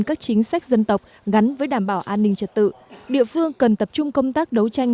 các chính sách dân tộc gắn với đảm bảo an ninh trật tự địa phương cần tập trung công tác đấu tranh